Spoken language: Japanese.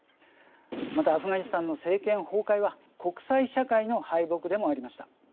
またアフガニスタンの政権崩壊は国際社会の敗北でもありました。